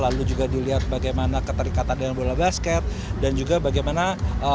lalu juga dilihat bagaimana keterikatan dengan bola basket lalu juga dilihat bagaimana keterikatan dengan bola basket